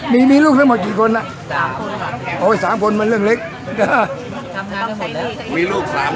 มีมีลูกทั้งหมดกี่คนน่ะสามคนมันเรื่องเล็กมีลูกสาม